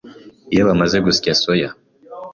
Iyo bamaze gusya soya